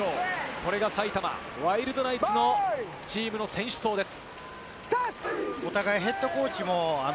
これが埼玉ワイルドナイツのチームの選手層です。